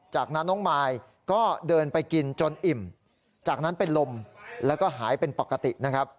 จากนั้นน้องมายก็เดินไปกินจนอิ่มจากนั้นเป็นลมแล้วก็หายเป็นปกตินะครับ